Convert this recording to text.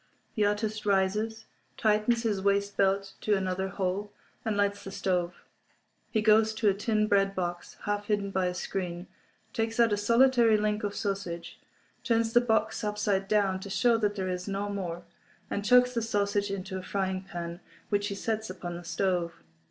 The artist rises, tightens his waist belt to another hole, and lights the stove. He goes to a tin bread box, half hidden by a screen, takes out a solitary link of sausage, turns the box upside down to show that there is no more, and chucks the sausage into a frying pan, which he sets upon the stove.